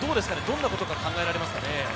どんなことが考えられますか？